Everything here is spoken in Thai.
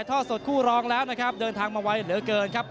ท่อสดคู่รองแล้วนะครับเดินทางมาไวเหลือเกินครับ